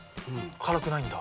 辛くないんだ。